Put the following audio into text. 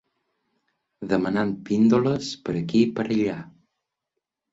Demanant píndoles per aquí per allà.